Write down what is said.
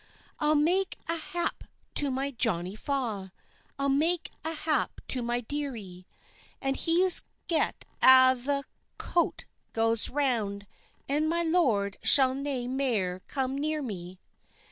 "I'll mak a hap to my Johnie Faw, I'll mak a hap to my dearie; And he's get a' the coat gaes round, And my lord shall nae mair come near me."